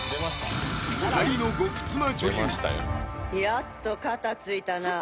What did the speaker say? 「やっと片ついたな」